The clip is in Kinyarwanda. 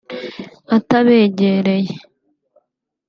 atabegereye